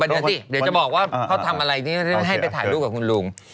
เดี๋ยวสิเดี๋ยวจะบอกว่าเขาทำอะไรให้ไปถ่ายรูปกับคุณลุง